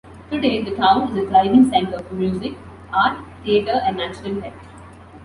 Today, the town is a thriving centre for music, art, theatre and natural health.